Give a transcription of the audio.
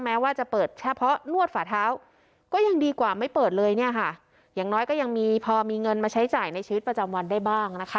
แม้ว่าจะเปิดเฉพาะนวดฝาเท้าก็ยังดีกว่าไม่เปิดเลยเนี่ยค่ะอย่างน้อยก็ยังมีพอมีเงินมาใช้จ่ายในชีวิตประจำวันได้บ้างนะคะ